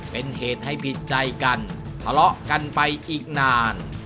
เป็นเหตุให้ผิดใจกันทะเลาะกันไปอีกนาน